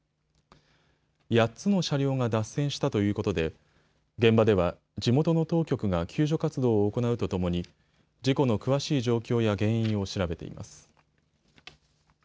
８つの車両が脱線したということで現場では地元の当局が救助活動を行うとともに事故の詳しい状況や原因を調べています。